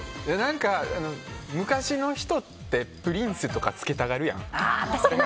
昔の人ってプリンスとかつけたがるやん。